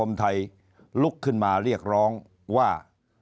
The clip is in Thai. สังคมไทยรุ่งขึ้นมาเรียกร้องว่า